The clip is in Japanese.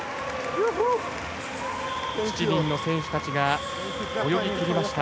７人の選手たちが泳ぎきりました。